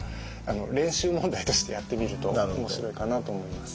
練習問題としてやってみると面白いかなと思います。